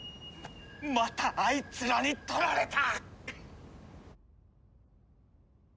またあいつらに取られた！